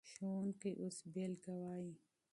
استاد اوس مثال وایي.